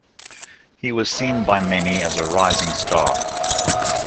He was seen by many as a rising star.